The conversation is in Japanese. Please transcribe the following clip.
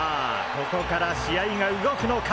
ここから試合が動くのか！？